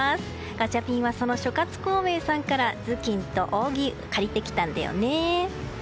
ガチャピンはその諸葛孔明さんから頭巾と扇を借りてきたんだよね。